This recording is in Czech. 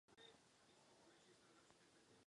Českou republiku reprezentoval již jako junior.